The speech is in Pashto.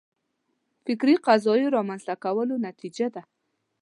فکري قضیو رامنځته کولو نتیجه ده